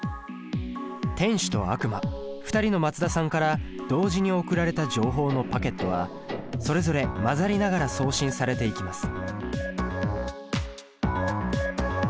天使と悪魔２人の松田さんから同時に送られた情報のパケットはそれぞれ混ざりながら送信されていきます。